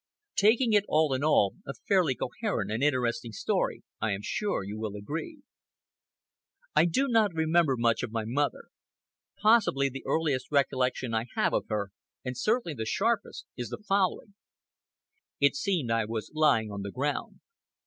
Taking it all in all, a fairly coherent and interesting story I am sure you will agree. I do not remember much of my mother. Possibly the earliest recollection I have of her—and certainly the sharpest—is the following: It seemed I was lying on the ground.